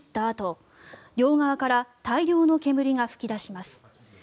あと両側から大量の煙が吹き出します。